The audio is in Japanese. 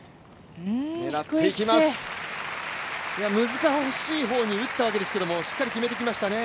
難しい方に打ったわけですけれども、しっかり決めてきましたね。